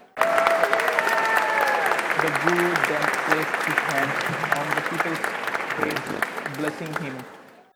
The guru then places his hands on the pupil's head, blessing him.